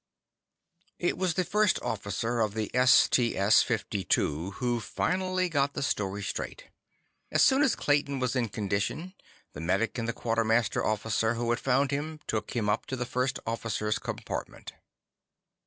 It was the First Officer of the STS 52 who finally got the story straight. As soon as Clayton was in condition, the medic and the quartermaster officer who had found him took him up to the First Officer's compartment.